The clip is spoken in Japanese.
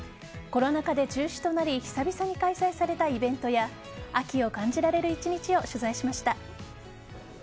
コロナ禍で中止となり久々に開催されたイベントや秋を感じられる１日を取材しました。